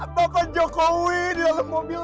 apa kan jokowi di dalam mobil